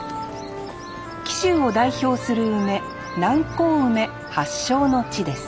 紀州を代表する梅南高梅発祥の地です